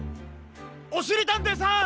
おしりたんていさん！